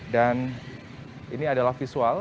dan ini adalah visual